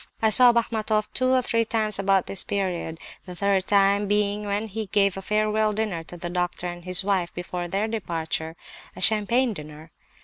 I saw Bachmatoff two or three times, about this period, the third time being when he gave a farewell dinner to the doctor and his wife before their departure, a champagne dinner.